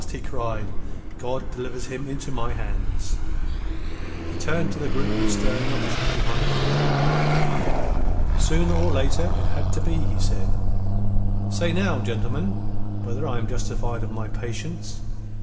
he cried. "God delivers him into my hands!" He turned to the group of staring officers behind him. "Sooner or later it had to be," he said. "Say now, gentlemen, whether I am justified of my patience.